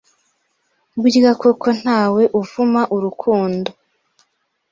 burya koko ntawe uvuma urukundo.